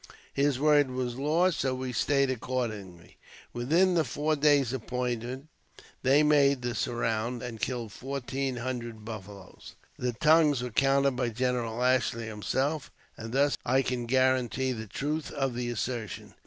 His word was law, so we stayed accordingly. Within the four days appointed they made "the surround," and killed fourteen hundred buffaloes. The tongues were counted by General Ashley himself, and thus I can guarantee the truth of the assertion.